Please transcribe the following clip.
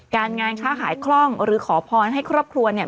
การงานค้าขายคล่องหรือขอพรให้ครอบครัวเนี่ย